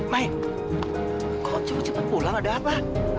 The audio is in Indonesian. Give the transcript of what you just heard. mai kau cepat cepat pulang ada apa